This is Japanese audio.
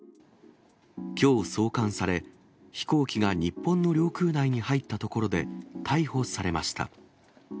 きょう送還され、飛行機が日本の領空内に入ったところで逮捕されました。